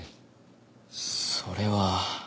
それは。